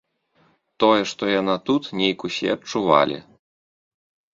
Тое, што яна тут, нейк усе адчувалі.